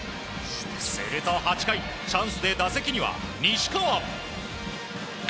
すると８回チャンスで打席には西川。